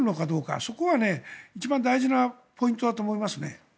そこは一番大事なポイントだと思いますね。